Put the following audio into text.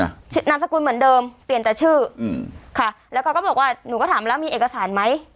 นามสกุลเหมือนเดิมเปลี่ยนแต่ชื่ออืมค่ะแล้วเขาก็บอกว่าหนูก็ถามแล้วมีเอกสารไหม